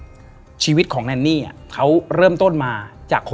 และยินดีต้อนรับทุกท่านเข้าสู่เดือนพฤษภาคมครับ